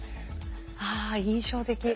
ああ印象的。